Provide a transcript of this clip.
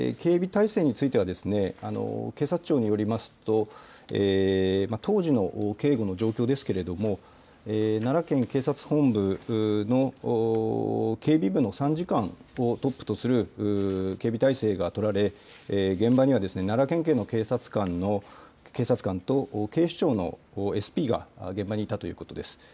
警備体制については警察庁によりますと当時の警護の状況ですけれども奈良県警察本部の警備部の参事官をトップとする警備体制が取られ現場には奈良県警の警察官と警視庁のＳＰが現場にいたということです。